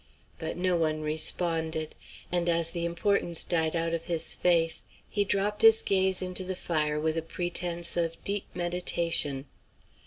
But no one responded; and as the importance died out of his face he dropped his gaze into the fire with a pretence of deep meditation.